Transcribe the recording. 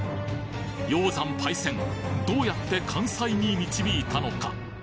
鷹山パイセンどうやって完済に導いたのか？